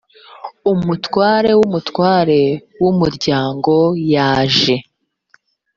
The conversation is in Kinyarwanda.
umutware w’umutwe w’umuryango yaje.